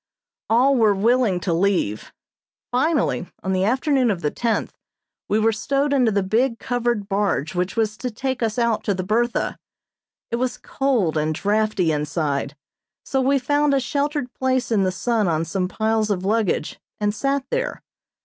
All were willing to leave. Finally on the afternoon of the tenth we were stowed into the big covered barge which was to take us out to the "Bertha." It was cold and draughty inside, so we found a sheltered place in the sun on some piles of luggage, and sat there.